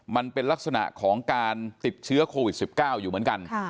มันเป็นลักษณะของการติดเชื้อโควิด๑๙อยู่เหมือนกัน